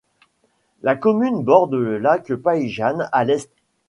La commune borde le lac Päijänne à l'est.